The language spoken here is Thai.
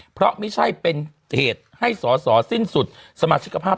เพราะไม่ใช่เป็นเหตุให้สอสอสิ้นสุดสมาชิกภาพ